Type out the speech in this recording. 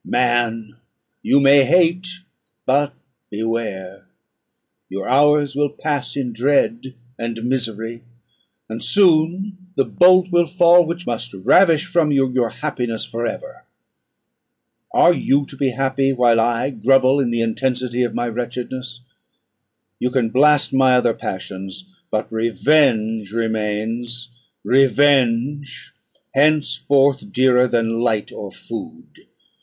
Man! you may hate; but beware! your hours will pass in dread and misery, and soon the bolt will fall which must ravish from you your happiness for ever. Are you to be happy, while I grovel in the intensity of my wretchedness? You can blast my other passions; but revenge remains revenge, henceforth dearer than light or food!